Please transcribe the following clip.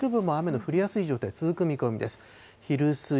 関東の内陸部も雨の降りやすい状態、続く見込みです。